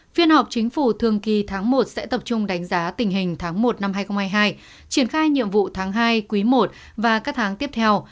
phiên họp chính phủ thường kỳ tháng một sẽ tập trung đánh giá tình hình tháng một năm hai nghìn hai mươi hai triển khai nhiệm vụ tháng hai quý i và các tháng tiếp theo